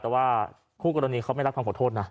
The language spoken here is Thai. แต่ว่าคู่กรณีเขาไม่รับคำขอโทษนะ